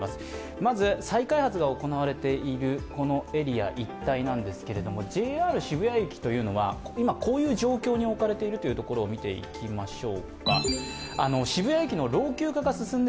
まず再開発が行われているエリア一帯なんですが、ＪＲ渋谷駅は今、こういう状況に置かれているところを見ていきましょう。